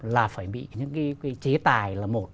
là phải bị những cái chế tài là một